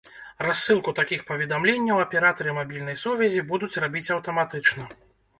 Рассылку такіх паведамленняў аператары мабільнай сувязі будуць рабіць аўтаматычна.